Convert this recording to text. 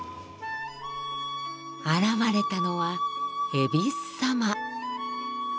現れたのはえびす様。